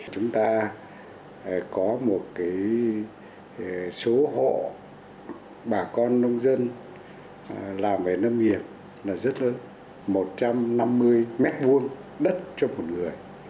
chúng ta có một số hộ bà con nông dân làm về nông nghiệp rất lớn một trăm năm mươi m hai đất cho một người